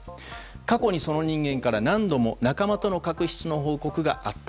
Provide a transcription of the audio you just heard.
過去にその人間から何度も仲間との確執の報告があった。